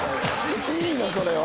いいのそれは。